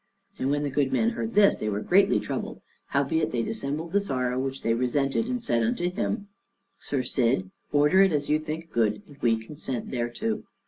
And when the good men heard this, they were greatly troubled; howbeit they dissembled the sorrow which they resented, and said unto him, "Sir Cid, order it as you think good, and we consent thereto."